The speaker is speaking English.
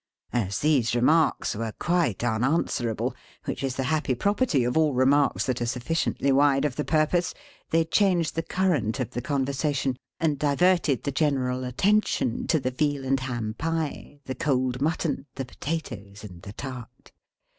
As these remarks were quite unanswerable: which is the happy property of all remarks that are sufficiently wide of the purpose: they changed the current of the conversation, and diverted the general attention to the Veal and Ham Pie, the cold mutton, the potatoes, and the tart.